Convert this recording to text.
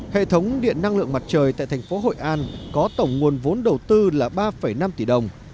hệ thống điện năng lượng mặt trời tại thành phố hội an có tổng nguồn vốn đầu tư là ba năm tỷ đồng